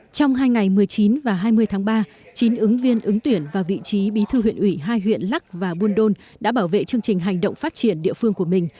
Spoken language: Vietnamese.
trong hai ngày một mươi chín và hai mươi tháng ba chín ứng viên ứng tuyển vào vị trí bí thư huyện ủy hai huyện lắc và buôn đôn đã bảo vệ chương trình hành động phát triển địa phương của mình